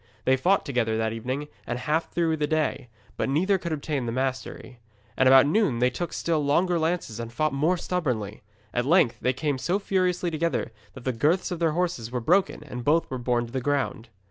They fought together that evening and half through the next day, but neither could obtain the mastery. And about noon they took still stronger lances and fought most stubbornly. At length they came so furiously together that the girths of their horses were broken and both were borne to the ground.